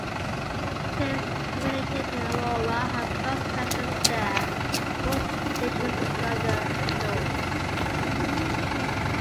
Trains terminating in Aurora have bus connections there for stations further north.